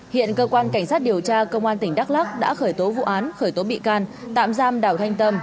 hiện cơ quan cảnh sát điều tra công an tỉnh đắk lắc đã khởi tố vụ án khởi tố bị can tạm giam đào thanh tâm